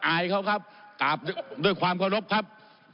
อายเขาครับกราบด้วยความเคารพครับ